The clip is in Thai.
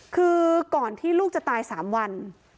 คือก่อนที่ลูกจะตาย๓วัน